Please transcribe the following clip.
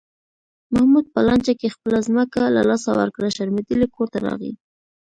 محمود په لانجه کې خپله ځمکه له لاسه ورکړه، شرمېدلی کورته راغی.